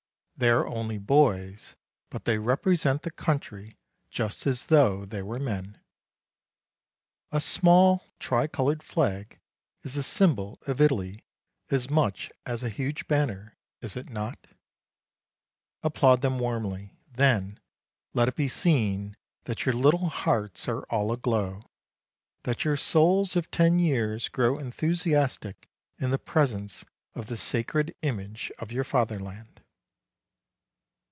They are only boys, but they rep resent the country just as though they were men. A small tricolored flag is thesymbol of Italy as much as a huge banner, is it not ? "Applaud them warmly, then. Let it be seen that your little hearts are all aglow, that your souls of ten years grow enthusiastic in the presence of the sacred image of your fatherland."